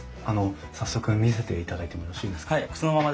あの早速見せていただいてもよろしいですか？